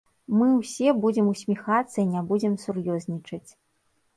Мы ўсе будзем усміхацца і не будзем сур'ёзнічаць.